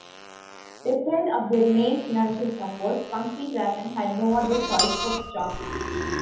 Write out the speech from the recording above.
Deprived of their main financial support, Funky Dragon had no other choice but stop.